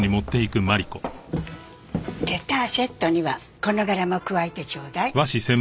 レターセットにはこの柄も加えてちょうだい。